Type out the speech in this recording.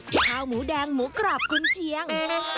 ข้าวหมูแดงหมูกรอบกุญเชียง